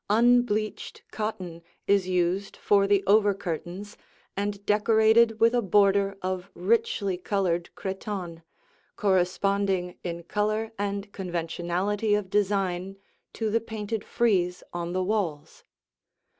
Unbleached cotton is used for the over curtains and decorated with a border of richly colored cretonne, corresponding in color and conventionality of design to the painted frieze on the walls.